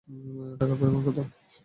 টাকার পরিমাণ কত?